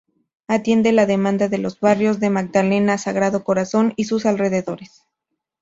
Atiende la demanda de los barrios La Magdalena, Sagrado Corazón y sus alrededores.